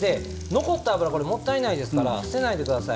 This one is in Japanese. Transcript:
残った油がもったいないですから捨てないでください。